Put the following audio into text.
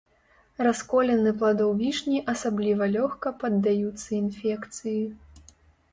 Расколіны пладоў вішні асабліва лёгка паддаюцца інфекцыі.